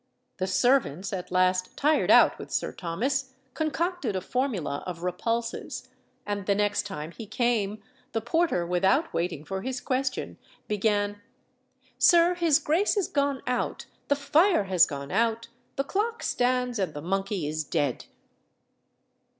The servants, at last tired out with Sir Thomas, concocted a formula of repulses, and the next time he came the porter, without waiting for his question, began "Sir, his grace is gone out, the fire has gone out, the clock stands, and the monkey is dead."